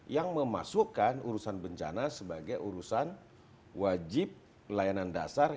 yang memasukkan urusan bencana sebagai urusan wajib pelayanan dasar